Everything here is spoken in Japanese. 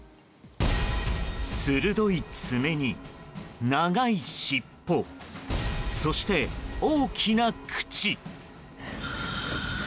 鋭い爪に、長いしっぽそして、大きな口。